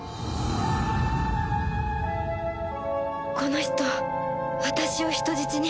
この人私を人質に！